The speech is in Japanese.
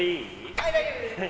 はい大丈夫です。